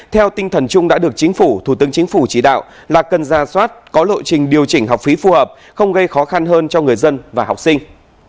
theo tinh thần chung đã được chính phủ thủ tướng chính phủ chỉ đạo là cần ra soát có lộ trình điều chỉnh học phí phù hợp không gây khó khăn hơn cho người dân và học sinh